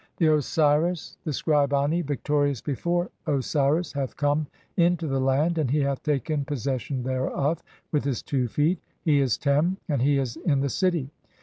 (i32) "The Osiris, the scribe Ani, victorious before Osiris, hath come "into the land, and he hath taken possession thereof with his "two feet. He is Tem, and he is in the city."